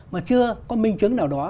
mà chưa có minh chứng nào đó